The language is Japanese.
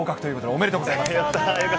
ありがとうございます。